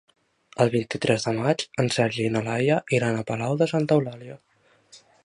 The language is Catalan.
El vint-i-tres de maig en Sergi i na Laia iran a Palau de Santa Eulàlia.